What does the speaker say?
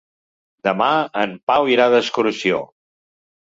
Demà en Pau irà d'excursió.